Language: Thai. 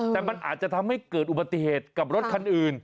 แต่มันอาจจะทำให้เกิดอุบัติเหตุกับรถคันอื่น